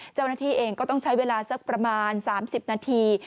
เจ้าหน้าที่เองก็ต้องใช้เวลาสักประมาณ๓๐นาที